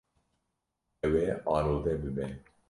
Ew ê arode bibe.